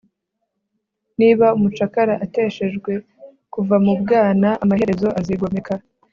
niba umucakara ateteshejwe kuva mu bwana, amaherezo azigomeka